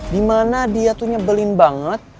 dimana dia tuh nyebelin banget